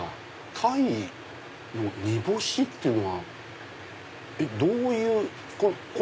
鯛の煮干しっていうのはどういう？